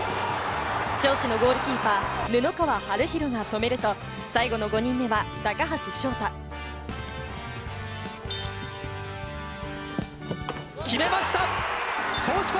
尚志のゴールキーパー・布川陽大が止めると最後の５人目は決めました！